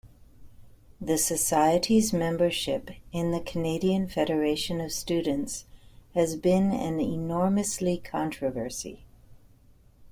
The society's membership in the Canadian Federation of Students has been an enormously controversy.